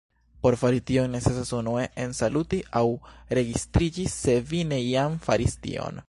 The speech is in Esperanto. Por fari tion necesas unue ensaluti aŭ registriĝi, se vi ne jam faris tion.